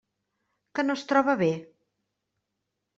Que no es troba bé?